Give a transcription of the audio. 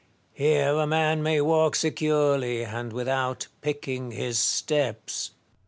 Here a man may walk securely, and without picking his steps.